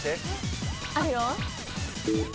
あるよ。